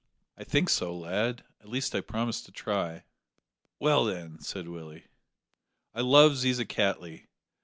"I think so, lad; at least I promise to try." "Well, then," said Willie, "I love Ziza Cattley.